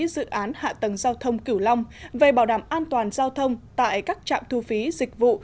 dự án hạ tầng giao thông kiểu long về bảo đảm an toàn giao thông tại các trạm thu phí dịch vụ